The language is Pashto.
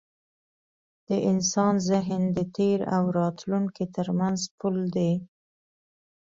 د انسان ذهن د تېر او راتلونکي تر منځ پُل دی.